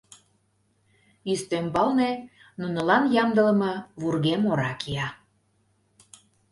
Ӱстембалне нунылан ямдылыме вургем ора кия.